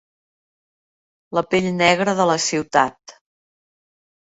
La pell negra de la ciutat.